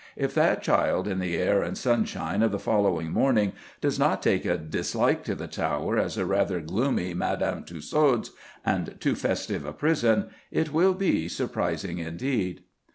If that child in the air and sunshine of the following morning does not take a dislike to the Tower as a rather gloomy Madame Tassaud's, and too festive a prison, it will be surprising indeed.